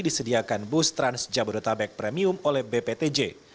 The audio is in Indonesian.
disediakan bus trans jabodetabek premium oleh bptj